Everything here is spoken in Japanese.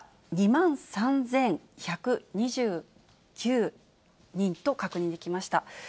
２万３１２９人と確認できました。